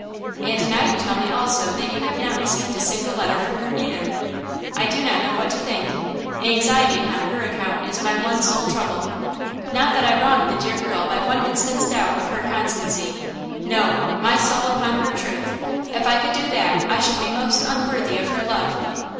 And now you tell me also that you have not received a single letter from her either! I know not what to think. Anxiety upon her account is my one sole trouble! Not that I wrong the dear girl by one instant's double of her constancy–no! my soul upon her truth! if I could do that, I should be most unworthy of her love!